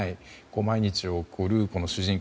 毎日を送る主人公。